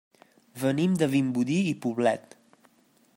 Venim de Vimbodí i Poblet.